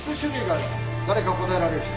誰か答えられる人。